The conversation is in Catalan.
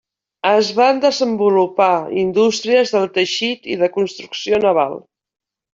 Es van desenvolupar indústries del teixit i de construcció naval.